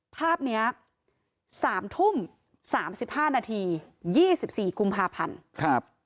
ภาพนี้๓ทุ่ม๓๕นาที๒๔กุมภาพันธ์ครับ